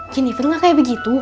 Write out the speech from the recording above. jennifer enggak kayak begitu